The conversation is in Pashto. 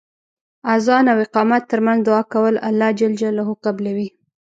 اذان او اقامت تر منځ دعا کول الله ج قبلوی .